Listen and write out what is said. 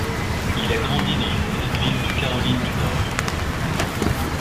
Il a grandi dans une petite ville du Caroline du Nord.